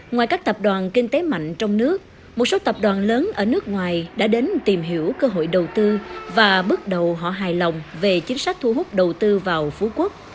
ngoài các tập đoàn kinh tế mạnh trong nước một số tập đoàn lớn ở nước ngoài đã đến tìm hiểu cơ hội đầu tư và bước đầu họ hài lòng về chính sách thu hút đầu tư vào phú quốc